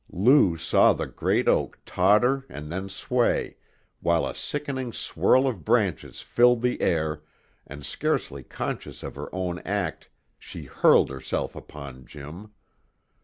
Lou saw the great oak totter and then sway, while a sickening swirl of branches filled the air, and scarcely conscious of her own act she hurled herself upon Jim.